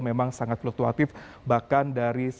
memang sangat fluktuatif bahkan dari